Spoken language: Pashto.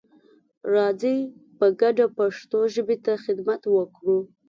راځئ په ګډه پښتو ژبې ته خدمت وکړو.